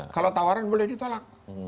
kalau tawaran boleh ditolak